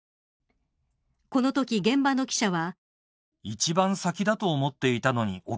この時、現場の記者は。